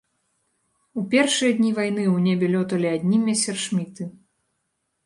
У першыя дні вайны ў небе лёталі адны месершміты!